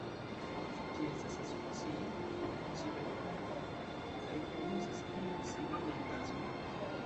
Ofte ĝi estas asociita kun ciberpunko kaj kunuzas iun similajn bazojn.